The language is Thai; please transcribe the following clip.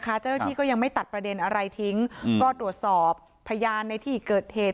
เจ้าหน้าที่ก็ยังไม่ตัดประเด็นอะไรทิ้งก็ตรวจสอบพยานในที่เกิดเหตุ